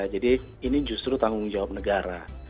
jadi ini justru tanggung jawab negara